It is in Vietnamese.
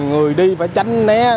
người đi phải tránh né